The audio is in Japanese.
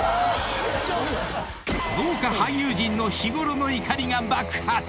［豪華俳優陣の日ごろの怒りが爆発！］